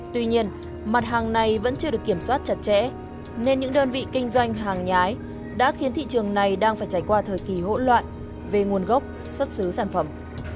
tuy nhiên mặt hàng này vẫn chưa được kiểm soát chặt chẽ nên những đơn vị kinh doanh hàng nhái đã khiến thị trường này đang phải trải qua thời kỳ hỗn loạn về nguồn gốc xuất xứ sản phẩm